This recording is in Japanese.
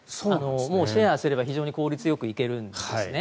シェアすれば非常に効率よく行けるんですね。